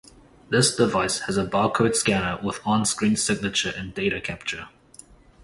This device has a bar code scanner with on-screen signature and data capture.